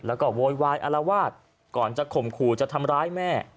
แล้วก็โวยวายอารวาสก่อนจะข่มขู่จะทำร้ายแม่